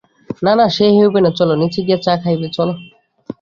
না না, সে হইবে না–চলো, নীচে গিয়া চা খাইবে চলো।